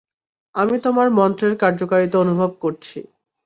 আমি তোমার মন্ত্রের কার্যকারিতা অনুভব করছি!